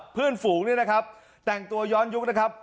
ฝูงนี่นะครับแต่งตัวย้อนยุคนะครับ